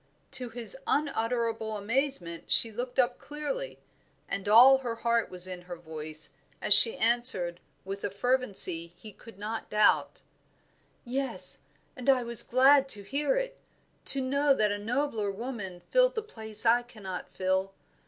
To his unutterable amazement she looked up clearly, and all her heart was in her voice, as she answered with a fervency he could not doubt "Yes; and I was glad to hear, to know that a nobler woman filled the place I cannot fill.